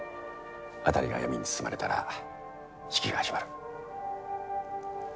辺りが闇に包まれたら式が始まる。